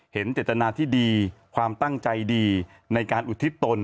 เห็นเจตนาที่ดีความตั้งใจดีในการอุทิศตน